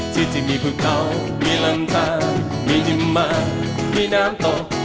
ที่จะมีภูเขามีลำตามียิ้มมามีน้ำตก